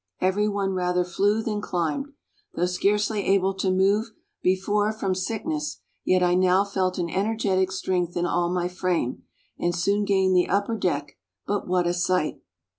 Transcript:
Every one rather flew than climbed. Though scarcely able to move before, from sickness, yet I now felt an energetic strength in all my frame, and soon gained the upper deck, but what a sight!